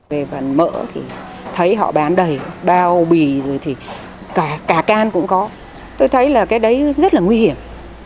về bàn mỡ thì thấy họ bán đầy bao bì rồi thì cả can cũng có tôi thấy là cái đấy rất là nguy hiểm